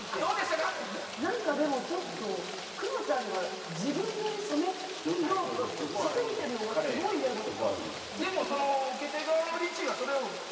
なんかでもちょっとクロちゃんが自分色に染めようとしすぎてるのがすごい嫌だった。